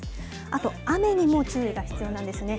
あと、雨にも注意が必要なんですね。